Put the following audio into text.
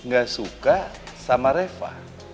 gak suka sama reva